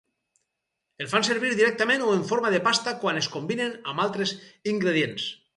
Es fan servir directament o en forma de pasta quan es combinen amb altres ingredients.